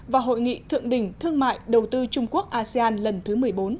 và hội nghị thượng đỉnh thương mại đầu tư trung quốc asean lần thứ một mươi bốn